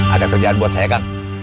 ada kerjaan buat saya kang